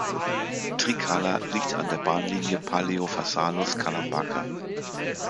Trikala liegt an der Bahnlinie Paleofarsalos–Kalambaka.